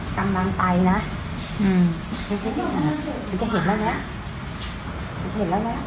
กำลังไปนะอืมจะเห็นแล้วนะ